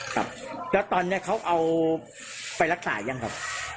ครับแล้วตอนนี้เขาเอาไปรักษายังครับ